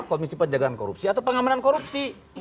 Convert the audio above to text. komisi penjagaan korupsi atau pengamanan korupsi